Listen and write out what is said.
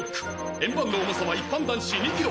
「円盤の重さは一般男子２キロ」